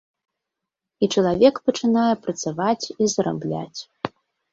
І чалавек пачынае працаваць і зарабляць.